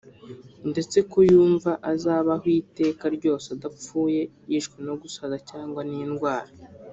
ndetse ko yumva azabaho iteka ryose adapfuye yishwe no gusaza cyangwa n’indwara